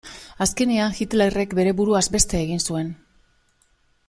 Azkenean Hitlerrek bere buruaz beste egin zuen.